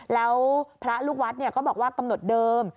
แล้วพระลูกวัดก็บอกว่ากำหนดเดิม